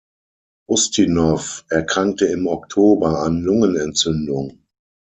Ustinow erkrankte im Oktober an Lungenentzündung.